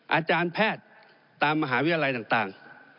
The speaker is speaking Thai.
อาจารย์แพทย์ตามมหาวิทยาลัยต่าง